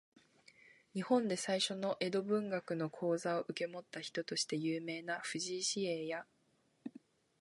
日本で最初の江戸文学の講座を受け持った人として有名な藤井紫影や、